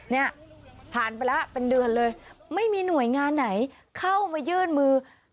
เนี่ยผ่านไปแล้วเป็นเดือนเลยไม่มีหน่วยงานไหนเข้ามายื่นมือ